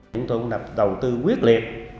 chúng tôi cũng đặt đầu tư quyết liệt